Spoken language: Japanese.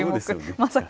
まさか。